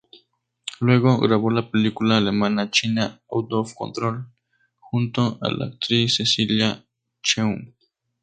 Luego, grabó la película alemana-china "Out of Control" junto a la actriz Cecilia Cheung.